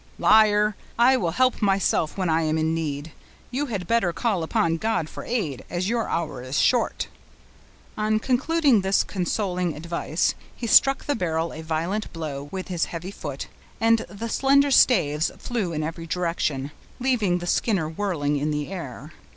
"Liar! I will help myself when I am in need; you had better call upon God for aid, as your hour is short." On concluding this consoling advice, he struck the barrel a violent blow with his heavy foot, and the slender staves flew in every direction, leaving the Skinner whirling in the air.